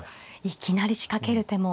いきなり仕掛ける手も。